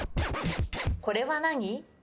これは何？